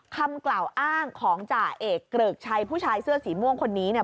คำกล่าวอ้างของจ่าเอกเกริกชัยผู้ชายเสื้อสีม่วงคนนี้เนี่ย